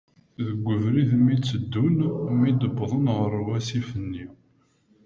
Deg ubrid mi teddun, mi d uwḍen ɣer wasif-nni.